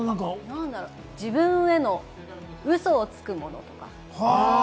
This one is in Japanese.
自分へのウソをつくものとか。